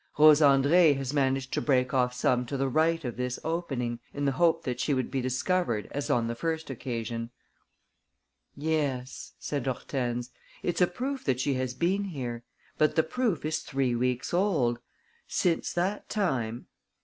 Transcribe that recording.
Rose Andrée has managed to break off some to the right of this opening, in the hope that she would be discovered as on the first occasion." "Yes," said Hortense, "it's a proof that she has been here; but the proof is three weeks old. Since that time...."